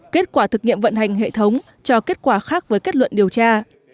kết quả thực nghiệm vận hành hệ thống cho kết quả khác với kết luận điều tra